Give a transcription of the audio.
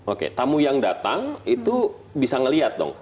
oke tamu yang datang itu bisa melihat dong